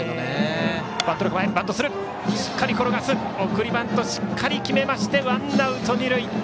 送りバントしっかり決めてワンアウト二塁。